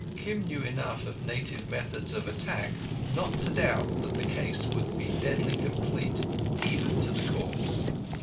Kim knew enough of native methods of attack not to doubt that the case would be deadly complete—even to the corpse.